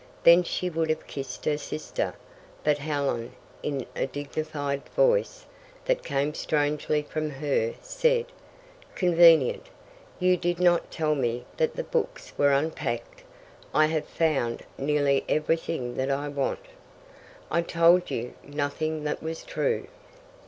Then she would have kissed her sister, but Helen, in a dignified voice, that came strangely from her, said: "Convenient! You did not tell me that the books were unpacked. I have found nearly everything that I want. "I told you nothing that was true."